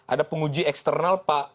ada penguji eksternal